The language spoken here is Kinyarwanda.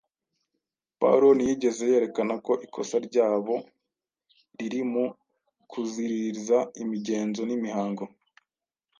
Pawulo ntiyigeze yerekana ko ikosa ryabo riri mu kuziririza imigenzo n’imihango